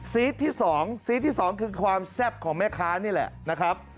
ซีสที่๒ซีสที่๒คือความแซ่บของแม่ค้านี่แหละนะครับ